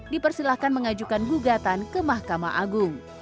dipersilahkan mengajukan gugatan ke mahkamah agung